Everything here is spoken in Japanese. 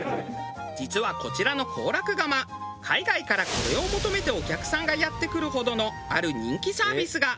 実はこちらの幸楽窯海外からこれを求めてお客さんがやって来るほどのある人気サービスが。